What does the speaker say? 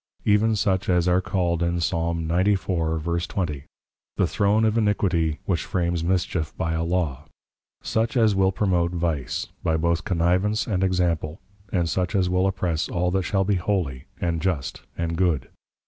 Even, such as are called in Psal. 94.20. The throne of iniquity, which frames mischief by a Law; such as will promote Vice, by both Connivance, and Example; and such as will oppress all that shall be Holy, and Just, and Good.